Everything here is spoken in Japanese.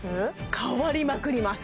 変わりまくります